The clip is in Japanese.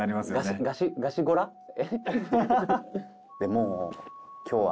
もう今日は。